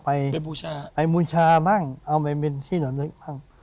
ไปมูชาบ้างเอาไว้เป็นที่หนังลึกบ้าง